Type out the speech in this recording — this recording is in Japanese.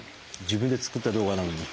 自分で作った動画なのに。